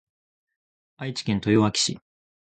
愛知県豊明市